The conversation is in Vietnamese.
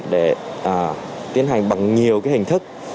để tiến hành bằng nhiều cái hình thức